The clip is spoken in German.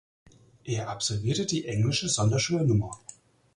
Er absolvierte die englische Sonderschule Nr.